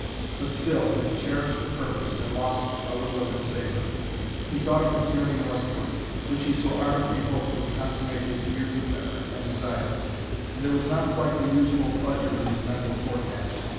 But still, his cherished purpose had lost a little of its savor. He thought of his journey northward, which he so ardently hoped would consummate his years of effort and desire, and there was not quite the usual pleasure in his mental forecast.